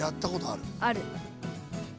ある。